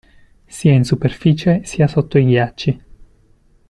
Sia in superficie sia sotto i ghiacci.